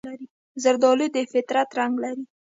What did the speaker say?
زردالو د فطرت رنګ لري.